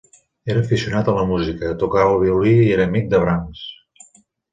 Era aficionat a la música, tocava el violí i era amic de Brahms.